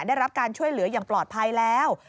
ได้รับการช่วยเหลืออย่างปลอดภัยแล้ว